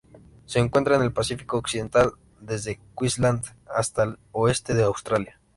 Se encuentra en el Pacífico occidental: desde Queensland hasta el oeste de Australia.